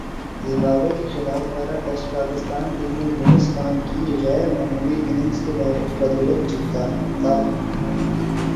Zimbabwe کے خلاف پہلا ٹیسٹ پاکستانی ٹیم نے یونس خان کی غیر معمولی اننگز کی بدولت جیتا تھا ۔